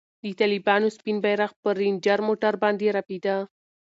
د طالبانو سپین بیرغ پر رنجر موټر باندې رپېده.